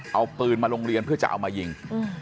เอาปืนมาโรงเรียนเพื่อจะเอามายิง